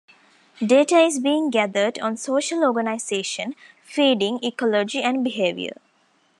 Data is being gathered on social organization, feeding ecology and behavior.